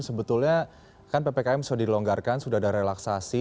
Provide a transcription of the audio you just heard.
sebetulnya kan ppkm sudah dilonggarkan sudah ada relaksasi